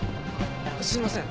すいません。